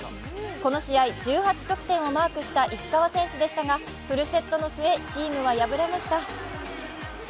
この試合１８得点をマークした石川選手でしたがフルセットの末チームは敗れました。